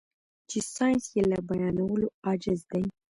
چې ساينس يې له بيانولو عاجز دی.